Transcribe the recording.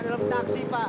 dalam taksi pak